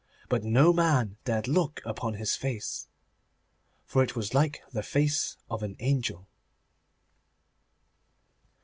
But no man dared look upon his face, for it was like the face of an angel.